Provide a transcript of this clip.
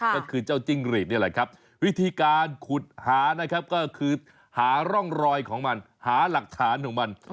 ก็คือเจ้าจิ้งหรีดนี่แหละครับวิธีการขุดหานะครับก็คือหาร่องรอยของมันหาหลักฐานของมัน